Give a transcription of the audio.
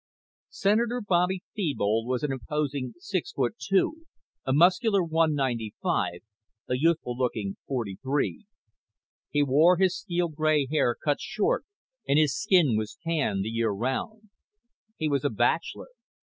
Senator Bobby Thebold was an imposing six feet two, a muscular 195, a youthful looking 43. He wore his steel gray hair cut short and his skin was tan the year round. He was a bachelor.